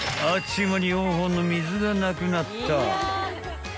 ちゅう間に４本の水がなくなった］